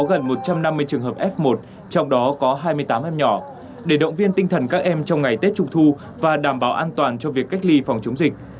gần một trăm năm mươi trường hợp f một trong đó có hai mươi tám em nhỏ để động viên tinh thần các em trong ngày tết trung thu và đảm bảo an toàn cho việc cách ly phòng chống dịch